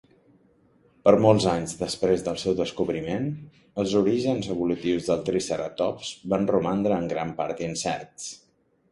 Per molts anys després del seu descobriment, els orígens evolutius del "Triceratops" van romandre en gran part incerts.